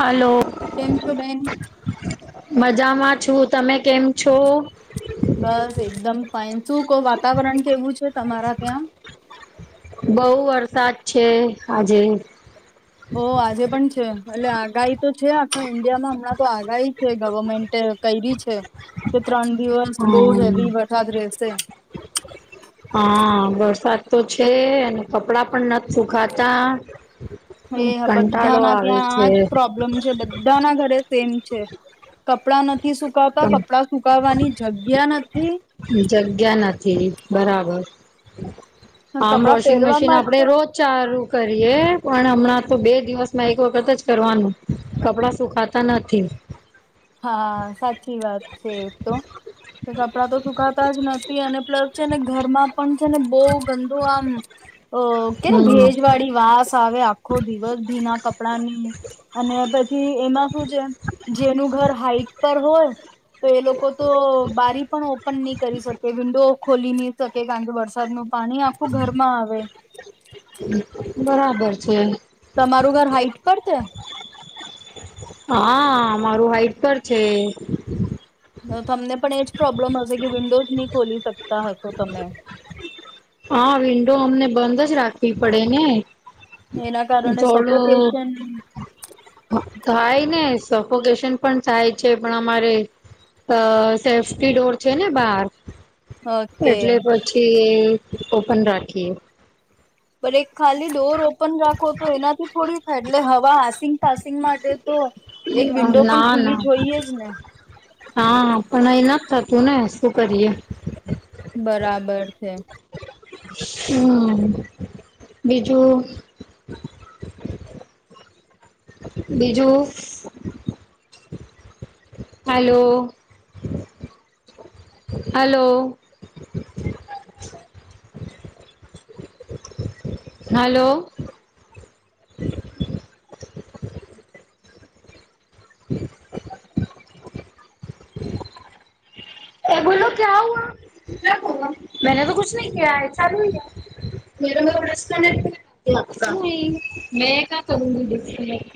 હાલો કેમ છો બેન? મજામાં છું, તમે કેમ છો? બસ એકદમ ફઈન શું કો વાતાવરણ કેવું છે તમારા ત્યાં? બઉુ વરસાદ છે, આજે ઓ આજે પણ છે. એટલે આગાહી તો છે. આખા ઈન્ડિયામાં હમણાં તો આગાહી છે. ગવર્મેન્ટ કરી છે. કે ત્રણ દિવસ બહુ હમ હેવી વરસાદ રહેશે. હા વરસાદ તો છે. અને કપડા પણ નથી સુુંકાતા હ હા બધાના ત્યાં આજ પ્રોબ્લેમ છે. બધા ના ઘરે સેમ છે કપડા નથી સુકતા કપડા સુકવાની જગ ગ્યા નથી? જગ્યા નથી. બરાબર આમ કપડાં વોશિંગ પહેરવા મશીન આપડે માટે રોજ ચારું કરીએ પણ હમણાં તો બે દિવસમાં એક વખત જ કરવાનું કપડા સુખા તા નથી હા સાચી વાત છે તો કો કપડાં તો સુકાતા જ નથી અને પ્લસ છે ને ઘરમાં પણ છે ને બહ ગંદુ આમ ઓ કે ને હમ ભેજ વાળી વાસ આવે આખો દિવસ ભીના કપડાની. અને પછી એમાં શું છે જેનું ઘર હાઈટ પર હોય તો એ લોકો તો બારી પણ પણ નહી કરી શકે વિન્ડો ખોલી નહી શકે કારણ કે વરસાદ નું પાણી આખું ઘરમાં આવે. બરાબર છે. તમારું ઘર હાઈટ પર છે.? હા મારું હાઈટ પણ છે. તમને પણ એજ પ્રોબ્લેમ હશે કે વિન્ડોઝ નહી ખોલી શકતા હશો તમે? હા વિન્ડો અમને બંધ જ રાખવી પડે ને, એના કારણે જળું સફોકેશન [inaudible] થાય ને સફોકેશન પણ થાય છે. પણ અમારે અ સેફ્ટી ડોર છે ને બહાર ઓકે એટલે પછી એ ઓપન રાખીએ પણ એક ખાલી ડોર ઓપન રાખો તો એનાથી થોડી થાય એટલે હવા હસિંગ પાસિંગ માટે તો એક વિન્ડો પણ ના ખુલ્લી ના જોઈએ જ ને હા પણ અહી નથી થતું ને શું કરીએ બરાબર છે. હમ બીજું? બીજું હલો! હલો! હલો, [unintelligible] એ બોલો ક્યા હુઆ મેને તો કુછ નહી કિયા હે ચાલું હિ હે મેઘા [unintelligible]